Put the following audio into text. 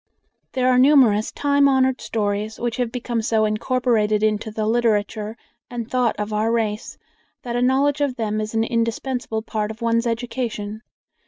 There are numerous time honored stories which have become so incorporated into the literature and thought of our race that a knowledge of them is an indispensable part of one's education.